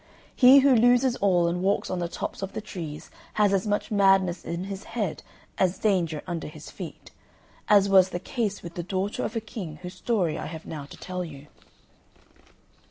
He who loses all and walks on the tops of the trees has as much madness in his head as danger under his feet, as was the case with the daughter of a King whose story I have now to tell you.